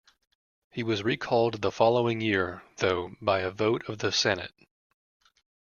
He was recalled the following year, though, by a vote of the senate.